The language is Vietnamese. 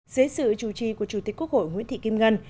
dưới sự chủ trì của chủ tịch quốc hội nguyễn thị kim ngân